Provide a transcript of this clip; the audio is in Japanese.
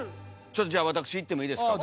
ちょっとじゃあ私いってもいいですか？